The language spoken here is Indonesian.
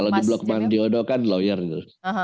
kalau di blok mandiodo kan lawyer gitu